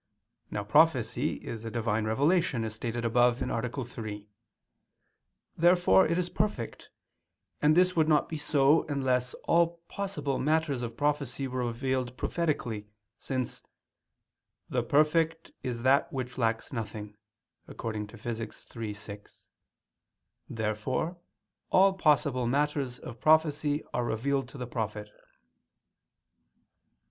Now prophecy is a "Divine revelation," as stated above (A. 3). Therefore it is perfect; and this would not be so unless all possible matters of prophecy were revealed prophetically, since "the perfect is that which lacks nothing" (Phys. iii, 6). Therefore all possible matters of prophecy are revealed to the prophet.